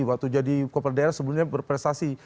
waktu jadi kepala daerah sebelumnya berprestasi